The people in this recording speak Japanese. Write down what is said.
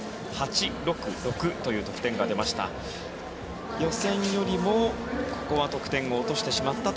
という得点が出ました。